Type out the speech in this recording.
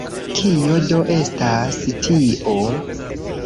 Kio do estas tio?